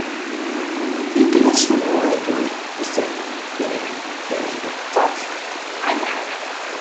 Хийдэг ажил нь юу вэ гэвэл хэсэх, тэнэх хэрэлдэх, зодолдох хааяа хааяа.